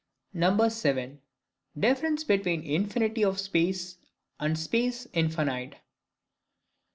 7. Difference between infinity of Space, and Space infinite.